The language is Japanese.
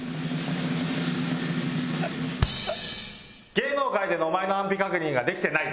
芸能界でのお前の安否確認ができてない。